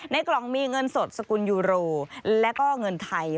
กล่องมีเงินสดสกุลยูโรแล้วก็เงินไทย